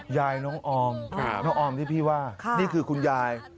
ยายน้องออมน้องออมที่พี่ว่านี่คือคุณยาย